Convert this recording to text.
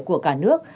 của cả nước